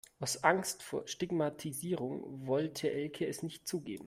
Aus Angst vor Stigmatisierung wollte Elke es nicht zugeben.